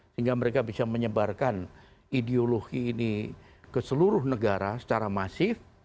sehingga mereka bisa menyebarkan ideologi ini ke seluruh negara secara masif